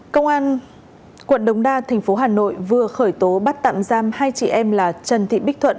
công an quận đồng đa thành phố hà nội vừa khởi tố bắt tạm giam hai chị em là trần thị bích thuận